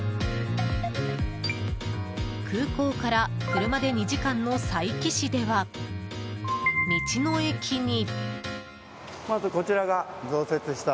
空港から車で２時間の佐伯市では道の駅に。